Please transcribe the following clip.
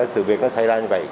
sự việc nó xảy ra như vậy